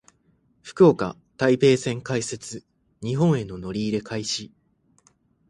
福岡・台北線開設。日本への乗り入れ開始。